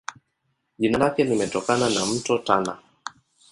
Jina lake limetokana na Mto Tana.